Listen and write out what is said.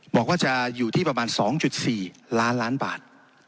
บอกว่าจะอยู่ที่ประมาณสองจุดสี่ล้านล้านบาท